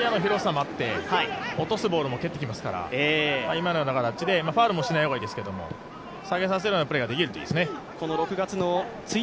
視野の広さもあって、落とすボールも蹴ってきますから今のような形でファウルもしない方がいいですけど、下げさせるようなプレーができるといいですね。